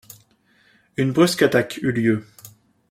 Une brusque attaque eut lieu.